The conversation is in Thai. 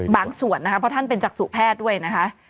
นะคะเพราะท่านเป็นจักษุแพทย์ด้วยนะคะ